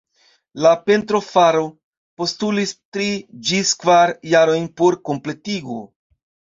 La pentrofaro postulis tri ĝis kvar jarojn por kompletigo.